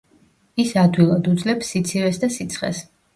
ის ადვილად უძლებს სიცივეს და სიცხეს.